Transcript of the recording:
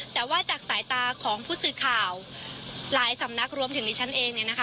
แต่ว่าจากสายตาของผู้สื่อข่าวหลายสำนักรวมถึงดิฉันเองเนี่ยนะคะ